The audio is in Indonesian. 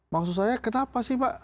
maksud saya kenapa sih pak